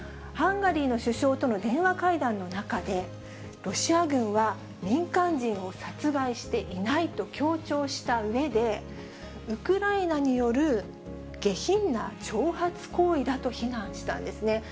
ハンガリーの首相との電話会談の中で、ロシア軍は民間人を殺害していないと強調したうえで、ウクライナによる下品な挑発行為だと非難したんですね。